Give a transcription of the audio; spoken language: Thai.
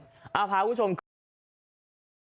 ที่เชียงใหม่เขามีกุหลาบเขียว